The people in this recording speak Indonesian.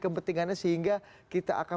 kepentingannya sehingga kita akan